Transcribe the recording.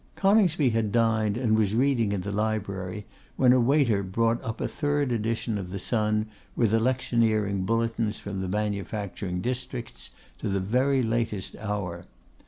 Coningsby had dined, and was reading in the library, when a waiter brought up a third edition of the Sun, with electioneering bulletins from the manufacturing districts to the very latest hour.